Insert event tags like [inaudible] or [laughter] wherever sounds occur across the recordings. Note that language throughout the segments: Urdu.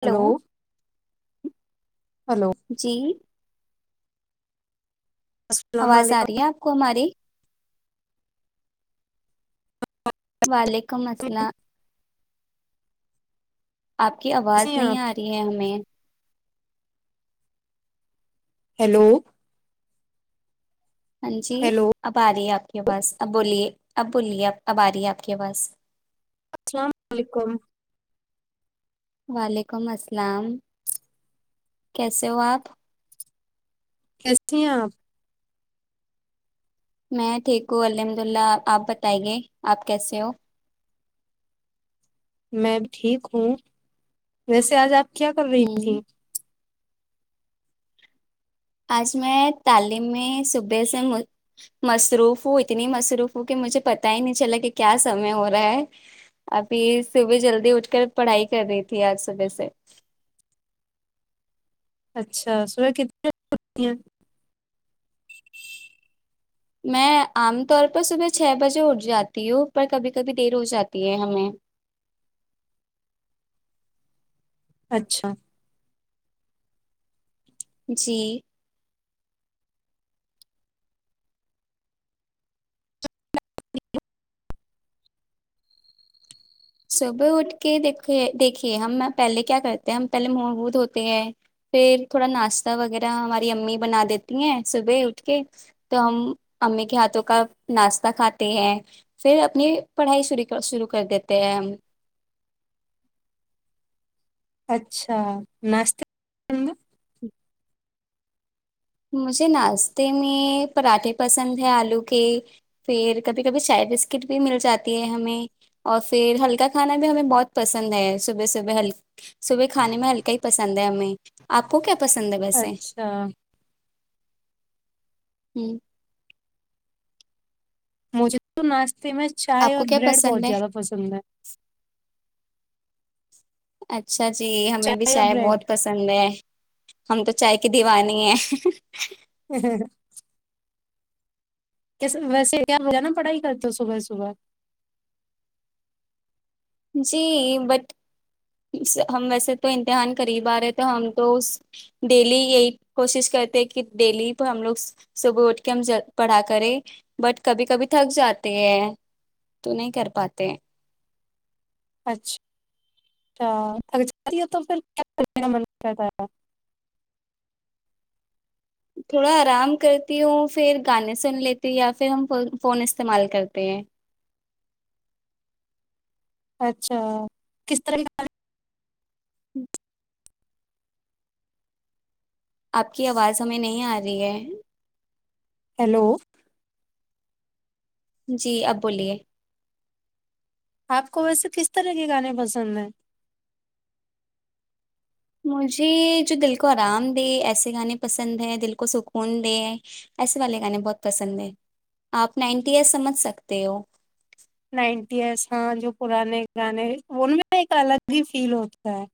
ہلو ہلو جی السلام آواز آ علیکم رہی ہے آپ کو ہماری والالک مکم مسلہ آپ کی آواز کیسے ہیں نہیں آپ آ رہی ہے ہمیں ہیلو ہاں جی ہیلو اب آ رہی ہے آپ کے پاس اب بولیے اب بولیے اب اب آ رہی ہے آپ کے پاس [unintelligible] وعلیکم السلام کیسے ہو آپ کیسے ہیں آپ میں ٹھیک ہوں الحمد اللہ آپ بتائیے آپ کیسے ہو میں ٹھیک ہوں ویسے آج آپ کیا کر رہی ہوں تھی آج میں تعلیم میں صبح سے مصروف ہوں اتنی مصروف ہوں کہ مجھے پتا ہی نہیں چلا کہ کیا سمے ہو رہا ہے ابھی صبح جلدی اٹھ کر پڑھائی کر رہی تھی آج صبح سے اچھا صبح کتنی اٹتی ہیں میں عام طور پر صبح چھ بجے اٹھ جاتی ہوں پر کبھی کبھی دیر ہو جاتی ہے ہمیں اچھا جی صبح اٹھ کے دیکھ دیکھیے ہم پہلے کیا کرتے ہیں ہم پہلے مہ م دھ ہوتے ہیں پھر تھوڑا ناشتہ وغیرہ ہماری امی بنا دیتی ہیں صبح اٹ کے تو ہم امی کے ہاتھوں کا ناشتہ کھاتے ہیں پھر اپنی پڑھائیع شروع کر دیتے [unintelligible] اچھا ناشہ جی مجھے ناشتے میں پراٹھے پسند ہے آلو کے پھر کبھی کبھی چائے بسکٹ بھی مل جاتی ہے ہمیں اور پھر ہلکا کھانا بھی ہمیں بہت پسند ہے صبح صبحل صبح کھانے میں ہلکا ہی پسند ہے ہمیں آپ کو کیا پسند ہے بسے [unintelligible] ہوں مجے تو نا فیمس آپ چائے کو اور کیا بریڈ بہت پسند ہے زیادہ پسند ہے اچھا اچھا جی ہمیں بھی چائے اور شاع بریڈ بہت پسند ہے ہم تو چائے کی دیوانی ہے کیسے ویسے کیا ہو نا پڑھائی کرتے صبح صبح جی بٹ ہم ویسے تو امتحان قریب آ رہے تو ہم تو اس ڈیلی یہی کوشش کرتے ہیں کہ ڈیلی پ ہم لوگ صبح اٹھ کے ہم پڑھا کرے بٹ کبھی کبھی تھک جاتے ہیں تو نہیں کر پاتے اچھا اچھا ااتی تو پھر رہتا گا تھوڑا آرام کرتی ہوں پھر گانے سن لیتی ہوں یا پھر ہم فون استعمال کرتے ہیں اچھا کس طرح کا ہی آپ کی آواز ہمیں نہیں آ رہی ہے ہیلو جی آپ بولیے آپ کو ویسے کس طرح کے گانے پسند ہیں مجھے جو دل کو آرام دے ایسے گانے پسند ہیں دل کو سکون دے ایسے والے گانے بہت پسند ہیں آپ نائنٹی ایئر سمجھ سکتے ہو نائنٹی ایساں جو پرانے گانے ان میں ایک الگ ہی فیل ہوتا ہے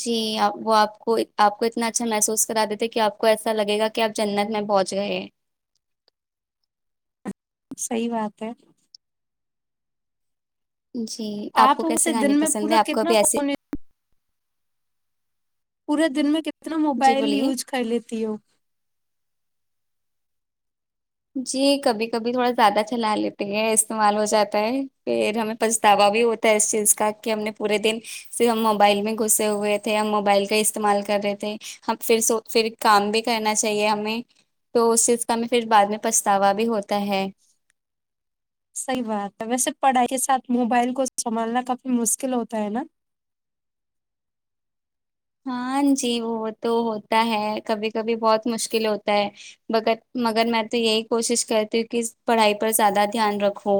جیپ وہ آپ کو آپ کو اتنا اچھا محسوس کرا دیتے کہ آپ کو ایسا لگے گا کہ آپ جنت میں پہنچ گئے صحی بات ہے جی آپ کو کیسے اسے گانے دن میں پسند پورا ہیں آپ کو کتنا ابھی ایسے فون پورے دن میں کنے اتنا جی موبائل بولیے یوز کر لیتی ہووں جی کبھی کبھی تھوڑا زیادہ چلا لیتی ہیں استعمال ہو جاتا ہے پھر ہمیں پچھتاوا بھی ہوتا ہے اس چیز کا کہ ہم نے پورے دن صرف ہم موبائل میں گھسے ہوئے تھے ہم موبائل کا استعمال کر رہے تھے ہم پھر پھر کام بھی کرنا چاہیے ہمیں تو اس چیز کا ہم پھر بعد میں پھتاوا بھی ہوتا ہے صحیح بات ہے ویسے پڑھائی کے ساتھ موبائل کو سنبھالنا کافی مشکل ہوتا ہے نا ہاں جی وہ تو ہوتا ہے کبھی کبھی بہت مشکل ہوتا ہے مگر مگر میں تو یہی کوشش کرتی ہوں کہ پڑھائی پر زیادہ دھیان رکھوں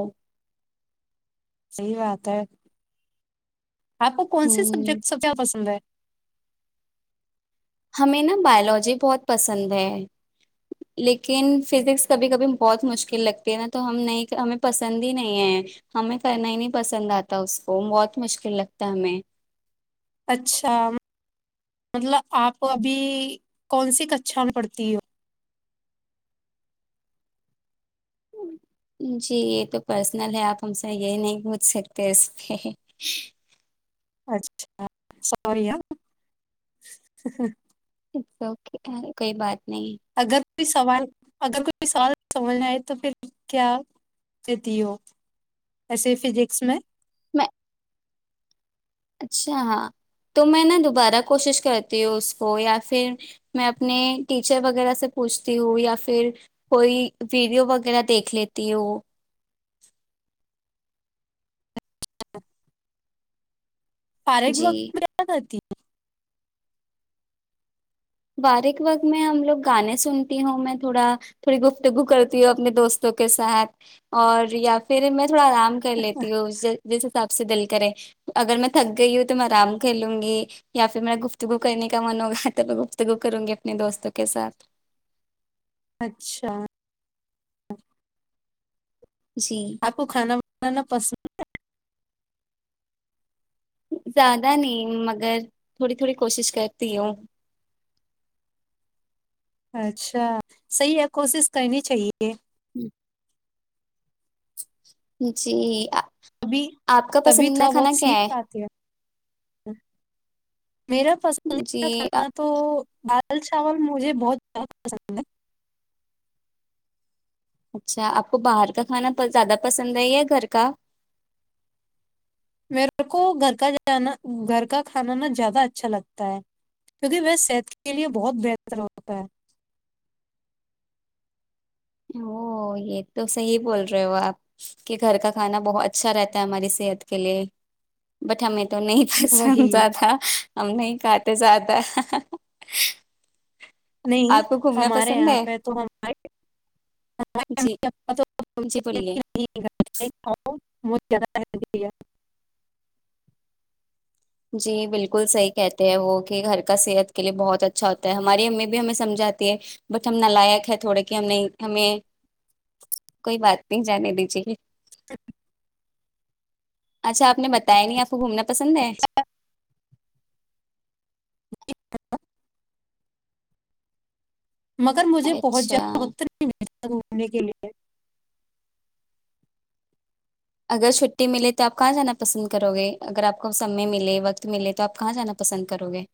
صحی بات ہے آپ کو کون سے ہوں سبجیکٹ سب پسند ہے ہمیں نا بایولوجی بہت پسند ہے لیکن فزکس کبھی کبھی بہت مشکل لگتی ہے نا تو ہم نہیں ہمیں پسند ہی نہیں ہے ہمیں کرنا ہی نہیں پسند آتا اس کو بہت مشکل لگتا ہمیں اچھا مطلب آپ ابھی کون سی کچھا پڑتی ہو جی یہ تو پرسنل ہے آپ ہم سے یہ نہیں پوچھ سکتے اس کے اچھا س [unintelligible] ا اوکے کوئی بات [unintelligible] نہیں اگر کوئی سوال اگر کوئی سوال سمجھنا آئے تو پھر کیا دیتی ہو ایسے فزکس میں میں اچھا ہاں تو میں نا دوبارہ کوشش کرتی ہوں اس کو یا پھر میں اپنے ٹیچر وغیرہ سے پوچھتی ہوں یا پھر کوئی ویڈیو وغیرہ دیکھ لیتی ہوں فاریک جی وکاتتی باریک وقت میں ہم لوگ گانے سنتی ہوں میں تھوڑا تھوڑی گفتگو کرتی ہوں اپنے دوستوں کے ساتھ اور یا پھر میں تھوڑا آرام کر لیتی ہو جیسے آپ سب سے دل کرے اگر میں تھک گئی ہوں تو میں آرام کر لوں گی یا پھر میرا گفتگو کرنے کا من ہوگا تھا گ گ کروں گی اپنے دوستوں کے ساتھ اچھا جی آپ کو کھانا بنانا پسند زیادہ نہیں مگر تھوڑی تھوڑی کوشش کرتی ہوں اچھا صحیح ہے کوشش کرنی چاہیے ج [inaudible] جی تبھی آپ کا تبھی تھوڑا پسندیدہ کھانا بہت کیا سیکھ پاتی ہے ہی [inaudible] میرا جی پسندیدہ کھانا تو دال چاول مجھے بہت زیادہ پسند ہے اچھا آپ کو باہر کا کھانا زیادہ پسند ہے یا گھر کا میرے کو گھر کا جانا گھر کا کھانا ن زیادہ اچھا لگتا ہے کیونکہ وہ صحت کے لیے بہت بہتر ہوتا ہے او یہ تو صحی بول رہے ہو آپ کہ گھر کا کھانا بہت اچھا رہتا ہے ہماری صحت کے لیے بٹ ہمیں تو نہیں وہی پسنتا تھا ہم نہیں کھاتے زیادہ نہیں آپ کو گھومنا ہمارے پسند یہاں ہے پہ تو جی جی بولیے بت زیادہ ہ گیا جی بالکل صحیح کہتے ہیں وہ کہ گھر کا صحت کے لیے بہت اچھا ہوتا ہے ہماری امی بھی ہمیں سمجھاتی ہے بٹ ہم نالائق ہے تھوڑا کہ ہم نہیں ہمیں کوئی بات نہیں جانے دیجی [inaudible] اچھا آپ نے بتایا نہیں آپ کو گھومنا پسند ہے ا مگر مجھے پہنچ اچھا جانات ایسھومنے کے لیئے اگر چھٹی ملے تو آپ کہاں جانا پسند کرو گے اگر آپ کو سمے ملے وقت ملے تو آپ کہاں جانا پسند کرو گے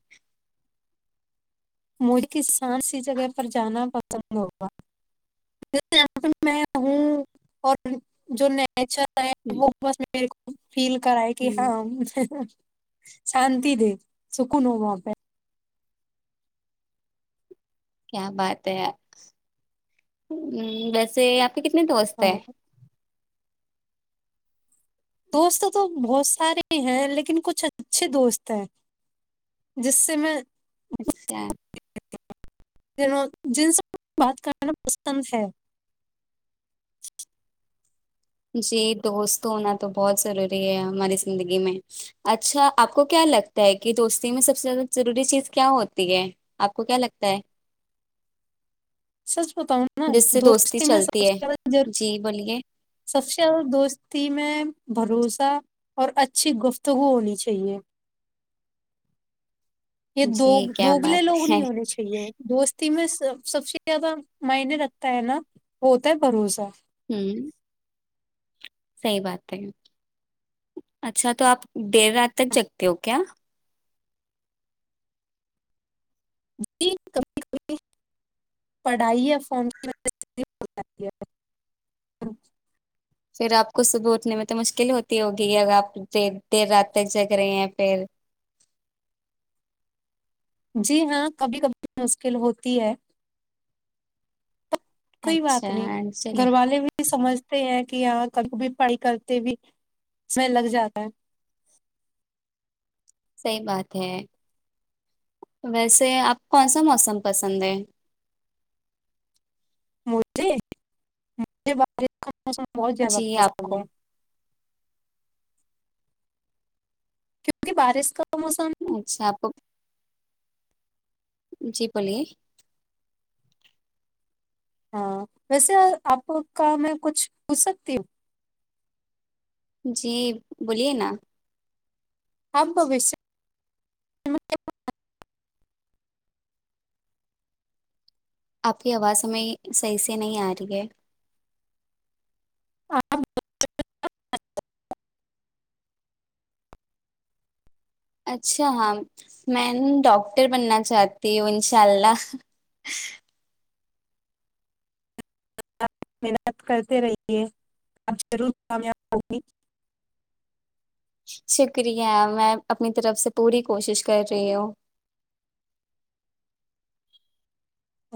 مجے ک سان سی جگہ پر جانا پسند ہوگا جے پ میںوں اور جو اھا وہ بس میرے کو فیل کرا ہے کہ ہوں، ہاں شانتی دے سکون ہو وہا آ کیا بات ہے یار ہ ویسے آپ آ کتنے تووستے ہاں ہے دوست تو بہت سارے ہیں لیکن کچھ اچھے دوست ہیں جس سے میں اچھا جنوں جن سب بات کرنا پسند ہے جی دوست ہونا تو بہت ضروری ہے ہماری زندگی میں اچھا آپ کو کیا لگتا ہے کہ دوستی میں سب سے زیادہ ضروری چیز کیا ہوتی ہے آپ کو کیا لگتا ہے سچ بتاؤں نا جس سے دوستی میں سب چلتی ہے سے جی بولیے سب سے چل دوستی میں بھروسہ اور اچھی گفتگو ہونی چاہیے یہ دو جی کیا دوگلے بات لوگ ہے نہیں ہونے چاہیے دوست میںب سب سے زیادہ معنے رگتا ہے نا وہ ہوتا ہے بھروسہ ہوں صحیح بات ہے اچھا تو آپ دیر رات تک جگتے ہو کیا جی کبھی کبھی پڑھائی فار کی پھر آپ کو صبح اٹنے میں تو مشکل ہوتی ہوگی ا آپ د دیر رات تک جگ رہے ہیں پھر جی ہاں کبھی کبھی مشکل ہوتی ہے کوئی بات اچھا نہیں چلیے گھر والے بھی سمجھتے ہیں کہ آ ک کو بھی پڑھائی کرتے بھی س لگ جاتا ہے صحی بات ہے ویسے آپ کون سا موسم پسند ہے مجھے مجھے ب مسم بہت زیادہ جی آپ فسل کو ہے کیونکہ بارش کا موسم اچھا اپ جی بولیے ہاں ویسے آپ کا میں کچھ پوچھ سکتی ہوں جی بولیے نا اب وش آپ کی آواز ہمیں صحیح سے نہیں آ رہی ہے آپ [inaudible] اچھا ہاں میں ڈاکٹر بننا چاہتی ہوں انشاء اللہ محنت کرتے رہیے آپ ضرور کامیاب ہوگی شکریہ میں اپنی طرف سے پوری کوشش کر رہی ہوں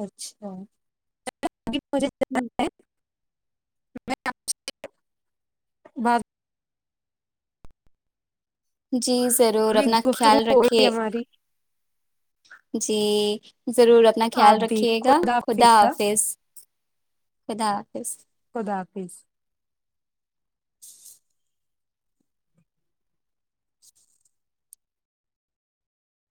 اچھا ہوں م [inaudible] ب [inaudible] جی ضرور میں اپنا گفتگو خیال ہو گئی رکے ہماری جی ضرور اپنا آپ خیال بھی رکھیے گا خدا ہاں، حافظ خدا حافظ خدا حافظ [inaudible]